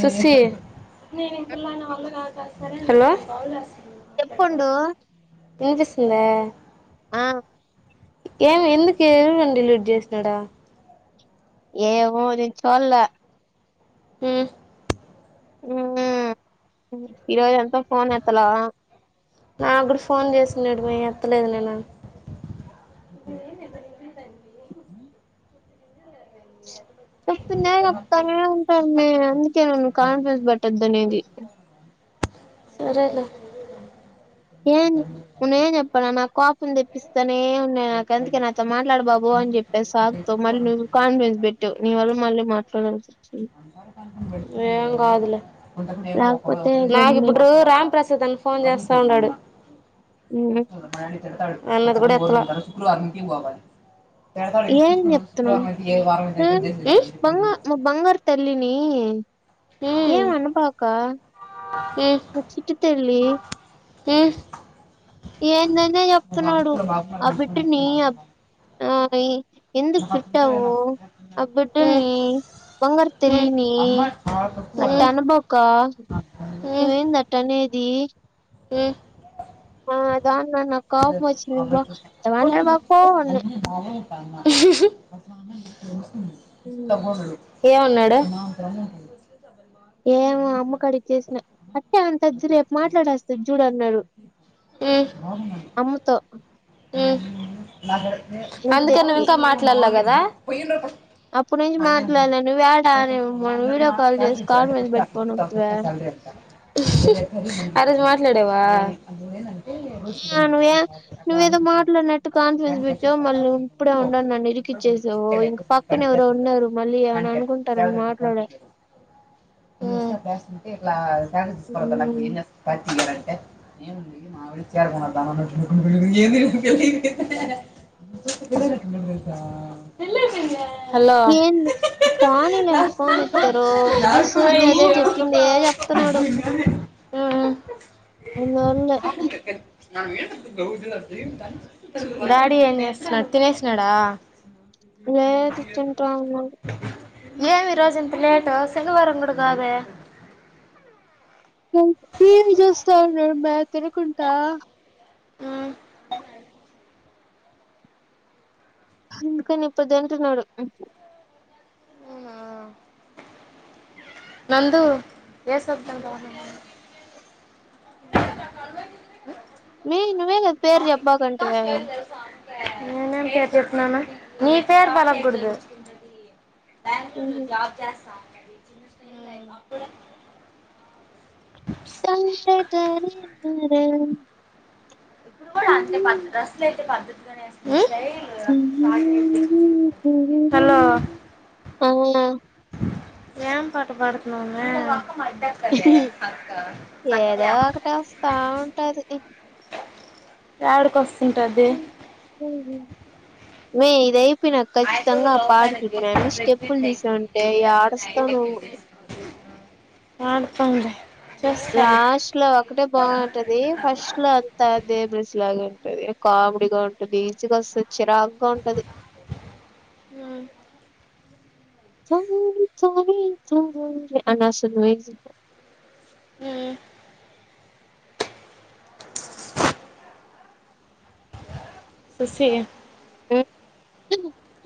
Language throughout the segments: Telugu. ససి నేను ఇం పిల్లన వాళ్ల కాద హలో చెప్పుండు ఏ తెస్తుంద ఆ ఏమి ఎందుకు ఎడండి లీట్ చేసన్నాడా ఏవో చోల్లే ఆ ఉ ఈరోజ ఎంతో ఫోన్ ఎత్తలా నా కూడాడు ఫోన్ చేసన్నాడు మే ఎత్తలేదు నేను చెప్ంది తనే ఉంటాంరే అందుకే కాన్ఫియూస్ పట్టది అనేది సరేలు ఏ ఉ ఏ ఎప్పుడు నా తెపిస్తాను ఉన్నా నాక అందుకే నాతో మాట్లాడ బాబు అని చెప్పే సాగుతో మళ్ళీ నువ్వు కాన్ఫిడెన్స్ పెట్టావు్ నీ వళ్ళు మళ్ళీ మాట్లాడాల్సి లేకపోతే గమ్మున నాకిప్పుడు రాంప్రసాద్ అన్న ఫోన్ చేస్తా ఉన్నాడు [unintelligible] మా డాడీ తిడతాడు అన్నది కూడా ఎత్తలా శుక్రవారం ఇంటికి పోవాలి ఏం చెప్తున్నావ్ ఆ బంగ మా బంగారు తల్లిని ఎం అనబాక మా చిట్టి తల్లి ఉమ్ ఏందేందో చెప్తున్నాడు ఆ బిడ్డని అ ఆ మీ ఎందుకు తిట్టావు ఆ బిడ్డని బంగారు తల్లిని అట్ట అనబాక ఉమ్ ఉమ్ నువ్వేంది అట్టనేది ఉమ్ ఆ అదా నన్నకవ్ [unintelligible] పోవన్ని ఇంటమ ఉమ్, ఏమన్నాడు ఏమో అమ్మ కడిగి చేసిన అట్టే అంటది చూడ్ రేప్ మాట్లాడస్తది చూడ్ అన్నరు ఉమ్ ఉమ్ ఇంతే అందుకే నువ్వు ఇంకా మాట్లాడలాగాద [inaudible] అప్పుటి నుంచి మాట్లాడ్లే నువ్వడా అని మని వీడియో కాల్ చేసి కాన్ఫరెన్స్ పెట్టుకోను వొత్తివ ఆ రోజు మాట్లాడావా ఇగ నువ్వే నువ్ మాట్లాడినట్టు కాన్ఫిడెన్స్ పెట్టావ్ మళ్ళీ ఇప్పుడే ఉండండనీ నన్ ఇరికిచ్చేసావ్ ఇంక పక్కన ఎవరో ఉన్నారు మళ్ళీ ఏమని అనుకుంటారని మాట్లాడా ఇలా టగజస్ ఉమ్. నాకున్న సాచగా ఏేముంది మా వెళ్ళి చేయరుకుా అ లి ఏంది పోనీలే అని ఫోన్ ఎత్తితే రోజు సోది అదే చెప్పింది ఏ చెప్తున్నాడు మ్మ్ నో అన్న [unintelligible] డాడి తినేస్నడా లేద్ తీన్టాండు ఏమి ఈరోజింత లేటు శనివారం గుడా కాదే టీవి చేస్తాన్నామ్మ తినకుంటా అ అందుకని ఇప్పడ్తీటున్నడు నందు ఏ సబ్ బంద మీ నువె గ పేరు చప్మాకంటీవి నేనేం పేర్చాపినాను నీ పేరు పలకుడ్దు బైన్గళూర్లో జాబ్ చేస్తాం ఇ అప్పుడ [unintelligible] ఆ ప్పుడు గుడా అంతే పద్ద్ద అస్లు అయితే పద్ధతి ఉ హలో [unintelligible] ఔన ఏం పాట పాడుతున్నవ్ మీ ఏదో ఒకటి ఒస్తా ఉంటది ఎడు కొస్ ఆ మీ ఇదై చెప్ప నాకు ఖచ్చితంగా ఆ పాట చూినన్ని స్టెప్పులు చూసా అంటే ఆడస్తా నువ్వు ఆ ప ఉంది లాస్ట్ లో ఒక్కటే బాగుంటది. ఫస్ట్ లో అంతా దే బెస్ లాగా ఉం. కామ్డీగా ఉంటందిచగా స చిరాక్గా ఉంటది ఉమ్ త త త అనాసును ఉ ససి ఏ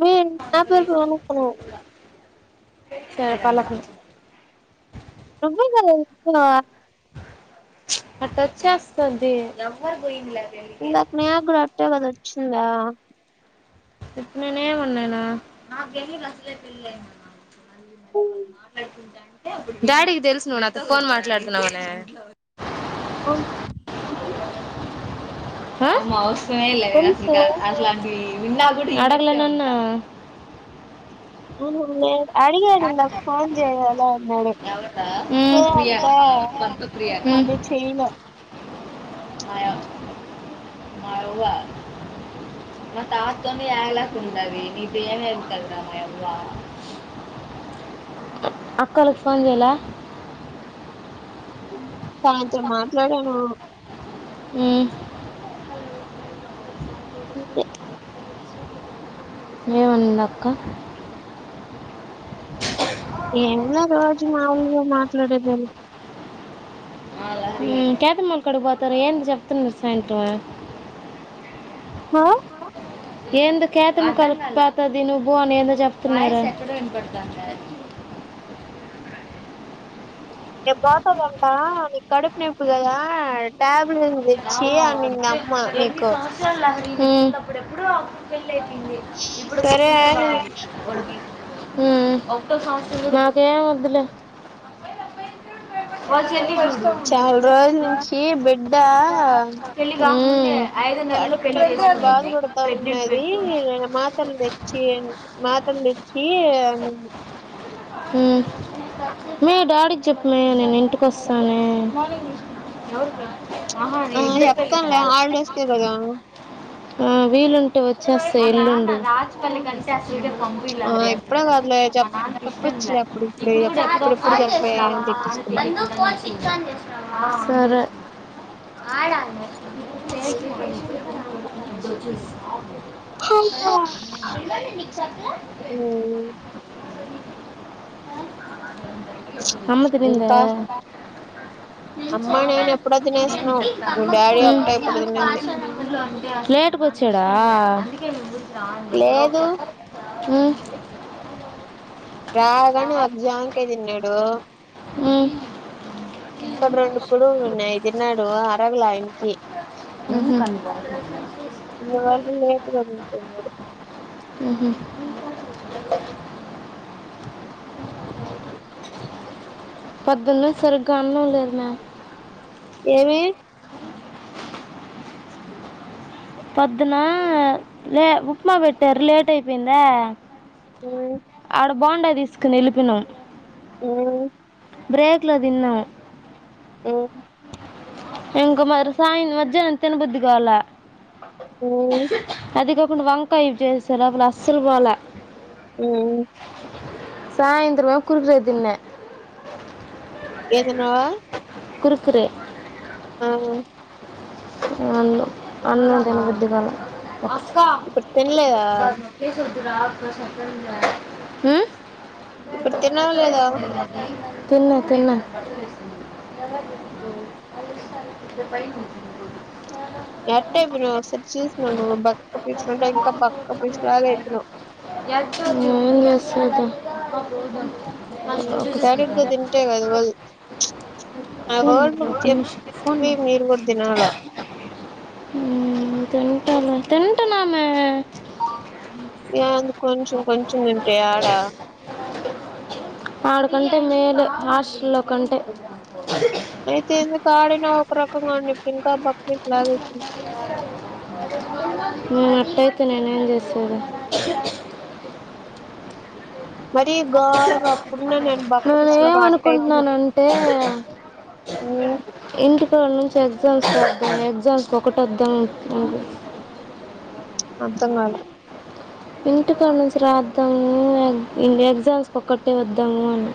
మ నాపేరు స పాలకు రొమ క అచ్చస్తుందిారు బంగ్ నాకు నాకు కూడా అట్లాగే దొరికి చింన్లా. ఇట్లానే ఉన్నదా. ఆహ్ మళ్లీ మళ్లీ వాళ్లు మాట్లాడుకుంటానే. డాడీకి తెలుసు నువ్వు నాతో ఫోన్ మాట్లాడుతున్నావు అని. ఉమ్ ఏంది. ఆహ్. అసలు ఏం లేవు కానీ తెలుసు ఇంకా అట్లాంటివి. అడగలే నన్ను. అవును ఉన్నాయిగా. అడిగాడు నాకు ఫోన్ చేయాలా అన్నాడు ఉమ్, ఏ అంతా మళీ చెయ్మ. మాయ ద్వీపం మా తాతతోని ఏగలాకు ఉండది నీది ఏమ ఆహ్ కదరా మావ్వ. అక్కలకు ఫోన్ చేయలే. దాంతో మాట్లాడాను. ఉమ్. ఆహ్. ఏముందక్క. ఎనిమిదవ రోజు మాముూలుగా మాట్లాడేదళ. కతమల్ కడు పోతారు ఏంటి చెప్తు నిసేంట్. ఎవరు. ఎందు కేతము కలిపోతది నువ్వు పో నేను చెప్తున్నాను. డాక్టర్ అంట నీకు కడుపు నొప్పి అంటగా టాబ్. ఈరోజు తేచ్చి అవి నిన్న అమ్మా ఆహ్ ‌నీకు. అప్పుడేప్పుడు అప్ చేయ్. అయిపోంది ఇప్పుడు సరే ఒకేసారి [unintelligible] ఉమ్ నాకేం వద్దులే. భోంచేతి ఈరోజు. చాలా రోజుల నుంచి బిడ్డ. ఉమ్మ్. కడుపు నోప్పీ అని బాధ పడతా ఉన్నది మాత్రలు తెచ్చి ఇయ్యండి. మాతన్ తెచ్చు. ఏ అని అంది. మీ డాడీకి చెప్పమే నేను ఇంటికోస్తానీ. ఆహ్ మళ్లీ చెప్తాములే హాలిడేస్ కి పోయాము ఆహ్ వీలుంటే వచ్చేస్తాయి ఎల్లుండి. ఆ ఇప్పుడే కాదులే చెప్ చెప్పొచ్చులే అప్పుడు ఇప్పుడు ఇప్పుడిప్పుడు చెప్పే అని తెప్పించుకోవాలి సరే. ఆడామే. చ హమ్మ నీకు చెప్పలే ఆ అమ్మ తినింద, ఇంకా అమ్మ నేను ఎప్పుడో తినేసినాం డాడీ ఉ ఒకటే ఇప్పుడు తినింది లేటుక్ వచ్చాడా. రా లోక లేదు హు రాగానె ఒకజ్జాంకాయ్ తిన్నాడు. ఉ అక్కడ రెండు కుడువులు ఉన్నాయ్, అయ్ తిన్నాడు అరగల ఆయన్కి ఉహు, వాళు లేట్గా నించున్నారు. హుహు, పొద్దున్నుంసరిగ్గ అన్నం లేద్ మె ఏమి పొద్దునా లే ఉప్మా పెట్టారు, లేట్ అయిపెయిందా. ఉ కడ బొండ తీసుక్కుని ఎల్లిపెయినం. ఊ బ్రేక్ లో తిన్నాం. హ్మ్ ఇంక మరి సాయం మజ్జానం తినబుద్ది కాలె. హ్మ్ అదిగ పుండు వంకాయ చేసార అప్పుడు అస్సల్ పొలె ఉ సాయంత్రమ కురుకురె దిన్న ఏంతిన్నవా. కురుక్కురే ఆ అన్ను, అన్నం తిన ఉద్ధిగాల ఇప్పుడు తిన్లేదా. ఉ ఇప్పుడు తినాల్ లేదా. తిన్న తిన్న ఉ పను ఎట్టైయ్ పొయినవ్ ఒసరి చీస్న నువు బక్క పీచునంక ఇంకా బక్క పిచులాగ అయ్ పినవ్. బ అ తరుగ్గ తింటే కదవొల్, ఆవొల్ చె ప్పి మీరుకు తని తింటనమే ఏంది కొంచెం కొంచం తింటే యాడా అంటే మేలు హోస్ట్ లో కంటే అయితే ఎందు ఆడినా ఒక రకంగా ఉం ఇంకా బక్వి లాగ మేనట్టయితే నేనేం చేశాడు మర గారగా అప్పుడున్న నేను బక్క పసులా అట్ట అయిపోయిన ఇంటికాడ నుంచి ఎగ్జామ్స్ ఎగ్జామ్స్ ఒకటి వద్దాం అర్థం కాాల ఇంటికాడ నుంచి రాద్దాము ఎగ్జామ్స్కి ఒక్కటే వద్దాము అని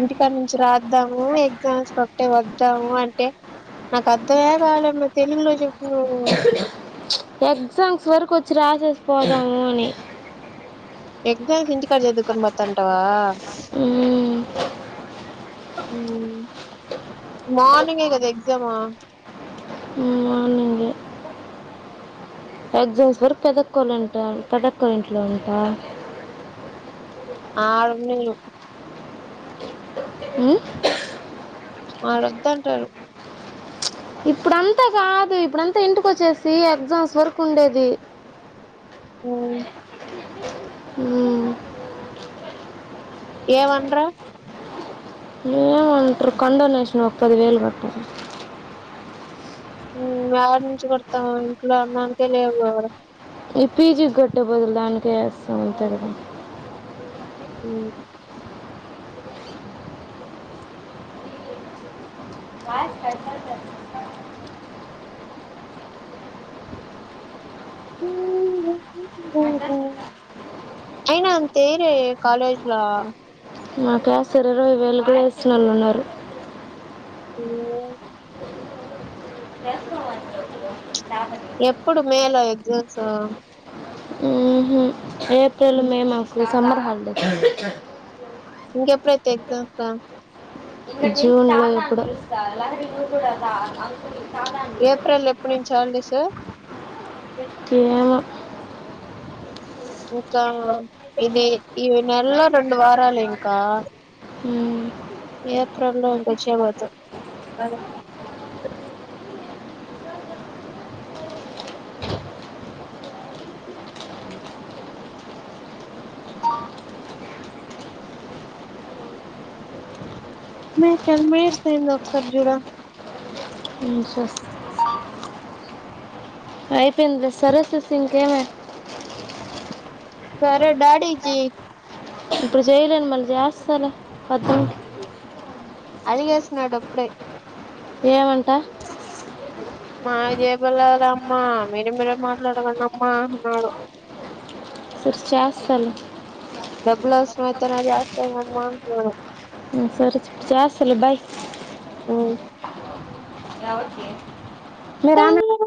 ఇంటికాడ నుంచి రా వద్దాము ఎగ్జామ్స్ ఒకటే వద్దాము అంటే నాకు అర్థమే [unintelligible] మ తెలుగులో చెప్ [unintelligible] ఎగజామ్స్ వరకు వచ్చి రాసేస్ పోదాము అని ఎగ్జామ్స్ ఇంటి ఇంటి కాడా చదువుకొని పోతాంటావా ఉమ్, మార్నింగే కదా ఎగ్జామ్ ఉ అడి [unintelligible] చ ఎగ్జామ్స్ వరకు పెదక్కోళ్లుంటా పెదక్కో ఇంట్లో ఉంటా ఆరు నెలలు అ వాారు వద్దంటారు ఇప్పుడంతా కాదు ఇప్పుడంతా ఇంటిక వచ్చేసి ఎగ్జామ్స్ వరకు ఉండేది ఓ హమ్ ఏ మన్ర ఏమంటారు కండోనేషన్ ఒక పది వేలు కట్ట వడి నుంచి కొడతాం ఇంట్లో అన్నానికే లేవు ఎవరు ఈ ప్పీజి కట్టే బదలు దానికే వేస్తామం అంతే కదా అ కాయ స్పషల్ చె [inaudible] [unintelligible] ఉ అడ [inaudible] చైరే కాలేజ్లా మాకే శరీర వేలు కూడా వేస్తుినళ్ళు ఉన్నారు [inaudible] [unintelligible] [inaudible] వస మ [inaudible] ఎప్పుడు మేల ఎగ్జామ్స్ ఉహు ఏప్రిల్ మే మాకు సమర్ హల్డే ఇంక ఎప్పుడైతే ఎగ్జామ్స్ జూన్ ఓ ఎప్పుడు ఏప్రిల్ ఎప్పుడు నుంచి హాలిడేస్ ఏమో ఇంకా ఇది ఇ నెలలో రెండు వారాలు ఇంకా హమ్ ఏప్రిల్ లో ఇంకొ చే పోతు [inaudible] మ చర్మష్ స అక్సర్ జుడా స అయిపోంద సరస తంకమ సరే డాడీకి సరే వద్దు నడు ఇప్పుడే ఏమంట మా చదవండి అమ్మా సరే చేస్తాలే డబ్బలు అవసరం ఉంటేనే జాస్త అయి మమ్మా బ సరే చేస్తలే బాయ్ అవు ఎవరికి నేను రానా